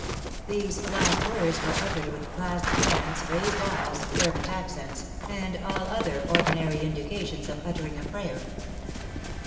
These last words were uttered with clasped hands, raised eyes, fervent accents, and all other ordinary indications of uttering a prayer.